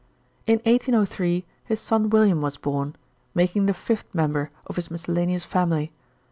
In 1803 his son William was born, making the fifth member of his miscellaneous family.